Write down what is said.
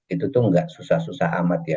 itu tuh nggak susah susah amat ya